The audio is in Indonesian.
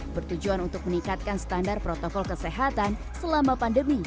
bertujuan untuk meningkatkan standar protokol kesehatan selama pandemi